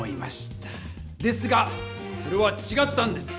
ですがそれはちがったんです。